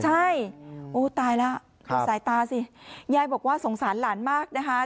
ใช่โอ้ตายแล้วดูสายตาสิยายบอกว่าสงสารหลานมากนะคะ